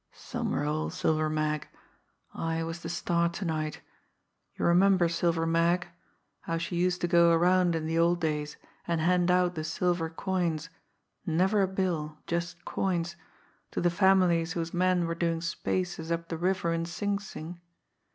"Some role, Silver Mag! I was the star to night! You remember Silver Mag how she used to go around in the old days and hand out the silver coins, never a bill, just coins, to the families whose men were doing spaces up the river in Sing Sing?